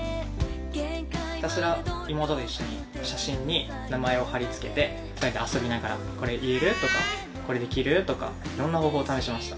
ひたすら妹と一緒に、写真に名前を貼り付けて、２人で遊びながら、これ言える？とか、これできる？とか、いろんな方法を試しました。